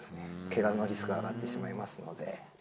けがのリスクが上がってしまいますので。